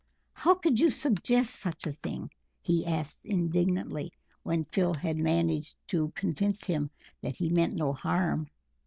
"How could you suggest such a thing?" he asked indignantly, when Phil had managed to convince him that he meant no harm.